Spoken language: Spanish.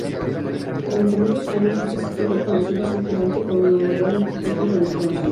Durante muchos años este sitio fue conocido simplemente como el memorial al fugitivo desconocido.